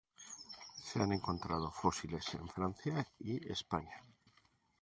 Se han encontrado fósiles en Francia y España.